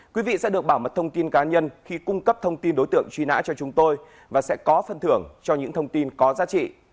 quý vị sẽ được bảo mật thông tin cá nhân khi cung cấp thông tin đối tượng truy nã cho chúng tôi và sẽ có phân thưởng cho những thông tin có giá trị